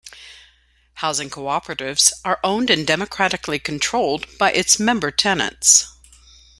Housing co-operatives are owned and democratically controlled by its member-tenants.